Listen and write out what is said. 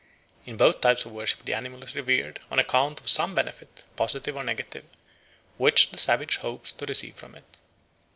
In both types of worship the animal is revered on account of some benefit, positive or negative, which the savage hopes to receive from it.